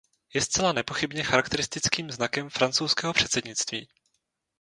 Je zcela nepochybně charakteristickým znakem francouzského předsednictví.